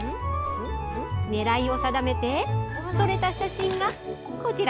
狙いを定めて撮れた写真がこちら。